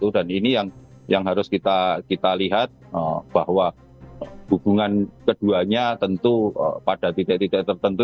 dan ini yang harus kita lihat bahwa hubungan keduanya tentu pada titik titik tertentu